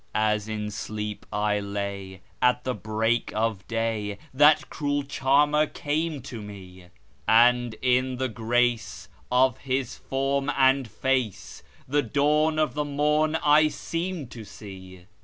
As in sleep I lay at the break of day that cruel charmer came to me, And in the grace of his form and face the dawn of the morn I seemed to see.